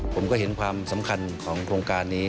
ผมก็เห็นความสำคัญของโครงการนี้